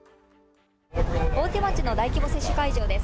大手町の大規模接種会場です。